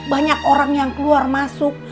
banyak orang yang keluar masuk